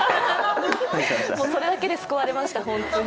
それだけで救われました。